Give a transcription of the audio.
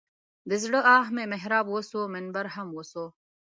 د زړه آه مې محراب وسو منبر هم وسو.